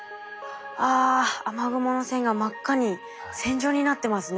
あ雨雲の線が真っ赤に線状になってますね。